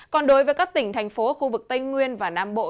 còn đối với các tỉnh thành phố khu vực tây nguyên và nam bộ